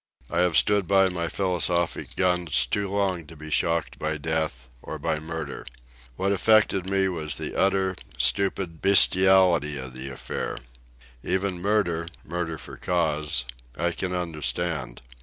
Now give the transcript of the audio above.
I have stood by my philosophic guns too long to be shocked by death, or by murder. What affected me was the utter, stupid bestiality of the affair. Even murder—murder for cause—I can understand.